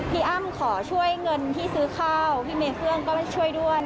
อ้ำขอช่วยเงินที่ซื้อข้าวพี่เมเฟื่องก็มาช่วยด้วน